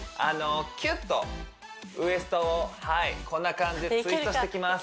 キュッとウエストをこんな感じでツイストしていきます